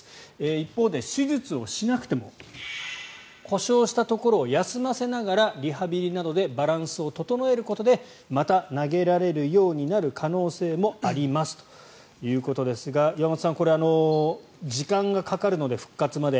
一方で手術をしなくても故障したところを休ませながらリハビリなどでバランスを整えることでまた投げられるようになる可能性もありますということですが岩本さんこれは時間がかかるので復活まで。